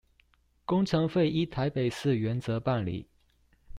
工程費依臺北市原則辦理